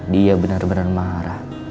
dia bener bener marah